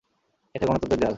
এটা গণতন্ত্রের দেয়াল।